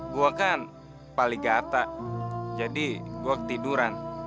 gue kan paligata jadi gue ketiduran